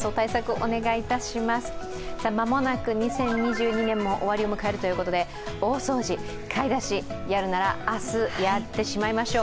間もなく２０２２年も終わりを迎えるということで大掃除、買い出し、やるなら明日やってしまいましょう。